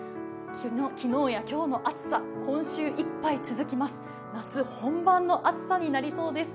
昨日や今日の暑さ、今週いっぱい続きます。